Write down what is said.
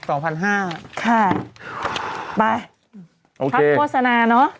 โอ้โหนี่ไง